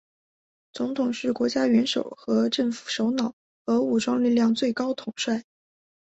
总统是国家元首和政府首脑和武装力量最高统帅。